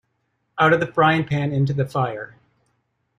Out of the frying-pan into the fire.